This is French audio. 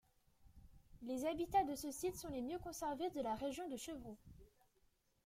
Les habitats de ce site sont les mieux conservés de la région de Chevroux.